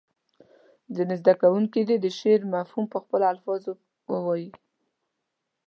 ځینې زده کوونکي دې د شعر مفهوم په خپلو الفاظو ووایي.